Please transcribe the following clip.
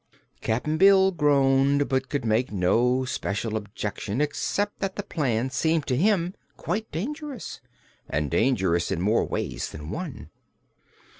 Cap'n Bill groaned but could make no logical objection except that the plan seemed to him quite dangerous and dangerous in more ways than one.